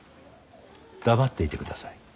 黙っていてください。